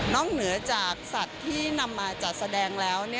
เหนือจากสัตว์ที่นำมาจัดแสดงแล้ว